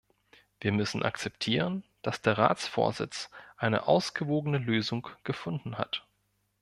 Wir müssen akzeptieren, dass der Ratsvorsitz eine ausgewogene Lösung gefunden hat.